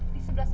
di sebelah sana